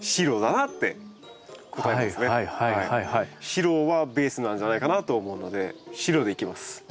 白はベースなんじゃないかなと思うので白でいきます。